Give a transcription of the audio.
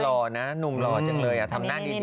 โหว้ยแต่หรอนะนุ่มหล่อจังเลยอะทำหน้าดีใดดิคิดนะ